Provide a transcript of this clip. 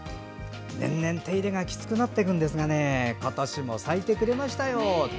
年々手入れがきつくなりますが今年も咲いてくれました。